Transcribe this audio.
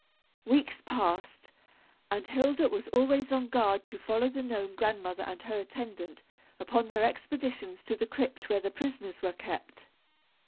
Weeks passed and Hilda was always on guard to follow the Gnome Grandmother and her attendant upon their expeditions to the crypt where the prisoners were kept.